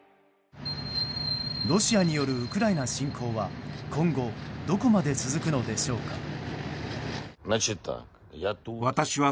ロシアによるウクライナ侵攻は今後どこまで続くのでしょうか。